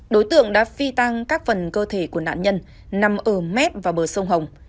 đối tượng đã phi tàng các phần cơ thể của nạn nhân nằm ở mét và bờ sông hồng